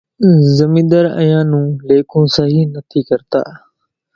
زمينۮار اينيان نون ليکون سئِي نٿِي ڪرتا۔